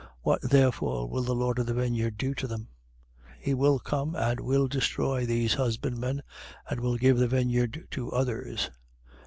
What therefore will the lord of the vineyard do to them? 20:16. He will come and will destroy these husbandmen and will give the vineyard to others.